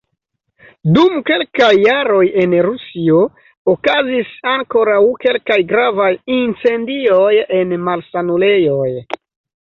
Dum kelkaj jaroj en Rusio okazis ankoraŭ kelkaj gravaj incendioj en malsanulejoj.